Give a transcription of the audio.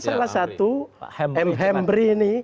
salah satu m hembri ini